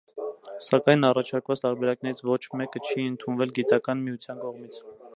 Սակայն առաջարկված տարբերակներից ոչ մեկը չի ընդունվել գիտական միության կողմից։